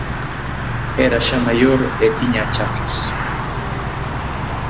Era xa maior e tiña achaques.